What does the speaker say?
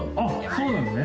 そうなのね。